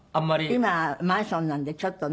今はマンションなんでちょっとね。